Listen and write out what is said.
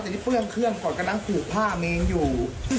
อันนี้เพรืองเครื่องก่อนกำลังถูกผ้าเมนท์อยู่